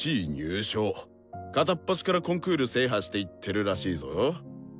片っ端からコンクール制覇していってるらしいぞ。